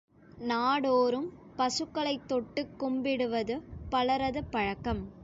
நாடோறும் பசுக்களைத் தொட்டுக் கும்பிடுவது பலரது பழக்கம்.